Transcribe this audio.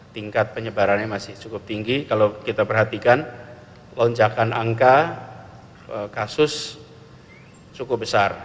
tingkat penyebarannya masih cukup tinggi kalau kita perhatikan lonjakan angka kasus cukup besar